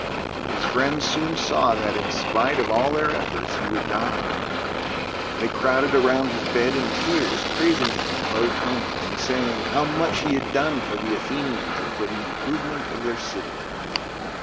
His friends soon saw, that, in spite of all their efforts, he would die. They crowded around his bed in tears, praising him in low tones, and saying how much he had done for the Athenians and for the improvement of their city.